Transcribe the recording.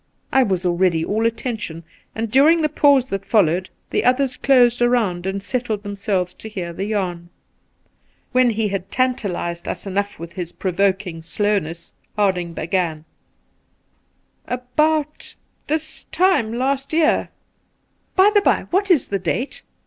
I was already all attention, and during the pause that followed the others closed around and settled themselves to hear the yarn. When he had tanta lized't, us , enough with his provoking slowness, Harding began : •About this time last year By the by, what is the date